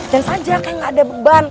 dance aja kayak gak ada beban